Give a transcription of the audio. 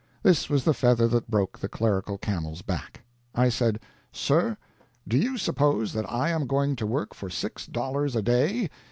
This was the feather that broke the clerical camel's back. I said, "Sir, do you suppose that I am going to work for six dollars a day?